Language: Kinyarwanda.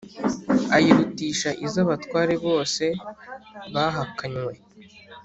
ayirutisha iz abatware bose bahakanywe